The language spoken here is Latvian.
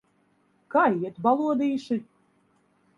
Kā iet, balodīši?